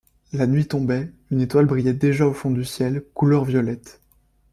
La nuit tombait, une étoile brillait déjà au fond du ciel couleur de violette.